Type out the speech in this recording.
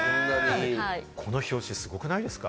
この表紙、すごくないですか？